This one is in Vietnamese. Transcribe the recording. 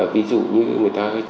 ví dụ như người ta